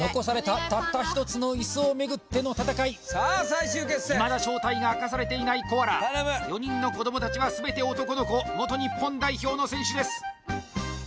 たった１つのイスを巡っての戦いさあ最終決戦いまだ正体が明かされていないコアラ４人の子どもたちは全て男の子元日本代表の選手です